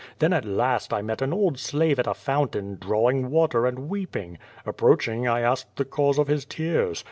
Then at last I met an old slave at a fountain, drawing water and weeping. Approaching, I asked the cause of his tears.